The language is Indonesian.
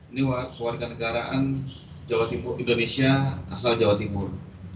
ini warga negaraan jawa timur indonesia asal jawa timur